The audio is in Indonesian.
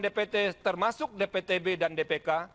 dpt termasuk dptb dan dpk